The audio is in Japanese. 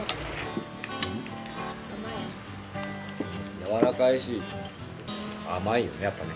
やわらかいし甘いよねやっぱりね。